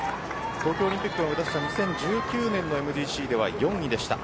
東京オリンピックを目指した２０１９年のＭＧＣでは４位でした。